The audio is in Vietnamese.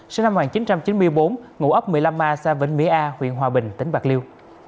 sinh năm một nghìn chín trăm chín mươi bốn ngụ ấp một mươi năm a xã vĩnh mỹ a huyện hòa bình tỉnh bạc liêu